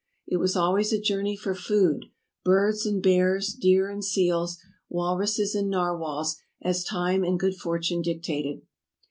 It was always a journey for food — birds and bears, deer and seals, walruses and narwhals, as time and good fortune dictated.